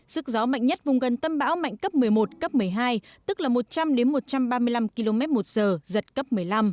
sức gió mạnh nhất vùng gần tâm bão mạnh cấp một mươi một cấp một mươi hai tức là một trăm linh một trăm ba mươi năm km một giờ giật cấp một mươi năm